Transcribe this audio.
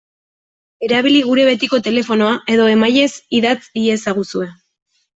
Erabili gure betiko telefonoa edo emailez idatz iezaguzue.